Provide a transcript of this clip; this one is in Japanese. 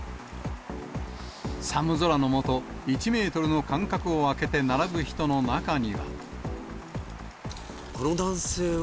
寒空の下、１メートルの間隔を空けて並ぶ人の中には。